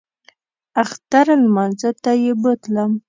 اختر لمانځه ته یې بوتلم.